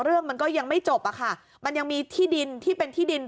เรื่องมันก็ยังไม่จบอะค่ะมันยังมีที่ดินที่เป็นที่ดิน